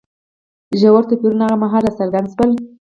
ژور توپیرونه هغه مهال راڅرګند شول.